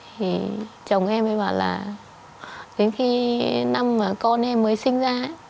thì chồng em mới bảo là đến khi năm mà con em mới sinh ra ấy